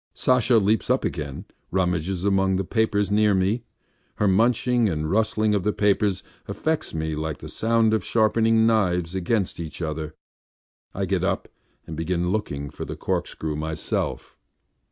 Sasha leaps up again and rummages among the papers near me. Her munching and rustling of the papers affects me like the sound of sharpening knives against each other. ... I get up and begin looking for the corkscrew myself.